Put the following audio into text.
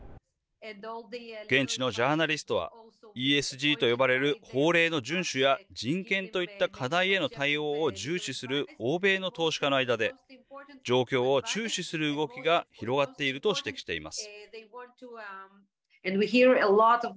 現地のジャーナリストはＥＳＧと呼ばれる法令の順守や人権といった課題への対応を重視する欧米の投資家の間で状況を注視する動きが広がっていると指摘しています。